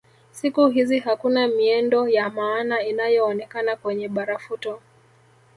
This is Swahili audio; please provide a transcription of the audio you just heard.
Siku hizi hakuna miendo ya maana inayoonekana kwenye barafuto